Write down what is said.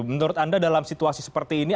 menurut anda dalam situasi seperti ini